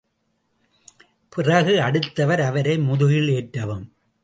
பிறகு அடுத்தவர் அவரை முதுகில் ஏற்றவும்.